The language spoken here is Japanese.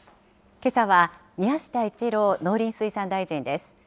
けさは宮下一郎農林水産大臣です。